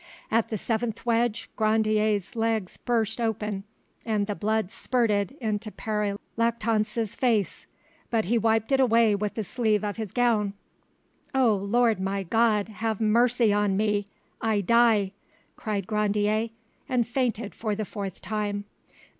At the seventh wedge Grandier's legs burst open, and the blood spurted into Pere Lactance's face; but he wiped it away with the sleeve of his gown. "O Lord my God, have mercy on me! I die!" cried Grandier, and fainted for the fourth time.